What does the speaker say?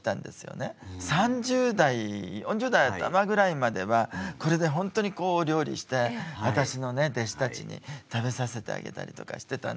３０代４０代頭ぐらいまではこれでほんとにこうお料理して私のね弟子たちに食べさせてあげたりとかしてたんですよ。